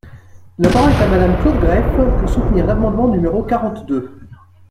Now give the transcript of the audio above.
La parole est à Madame Claude Greff, pour soutenir l’amendement numéro quarante-deux.